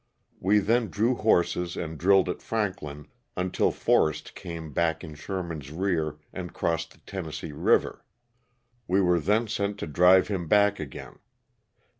We then drew horses and drilled at Franklin until Forrest came back in Sherman's rear and crossed the Tennessee river. We were then sent to drive him back again.